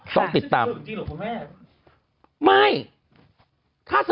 ต้องติดตามคุณแม่เจอจริงหรอ